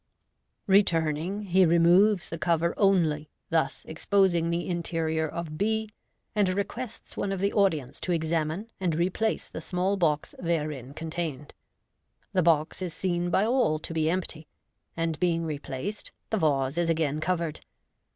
Returning, he removes the cover Fig. MODERN MAGIC. 219 only, thus exposing the interior of b, and requests one of the audience to examine and replace the small box therein contained. The box is seen by all to be empty, and, being replaced,, the vase is again covered.